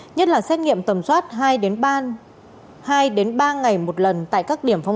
như tại quận sáu huyện củ chiến